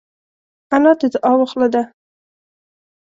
انا د دعاوو خوله ده